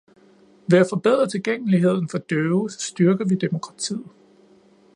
Ved at forbedre tilgængeligheden for døve styrker vi demokratiet.